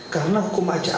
karena hukum acara